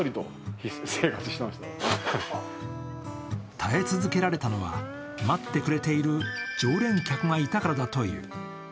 耐え続けられたのは待ってくれている常連客がいたからだという。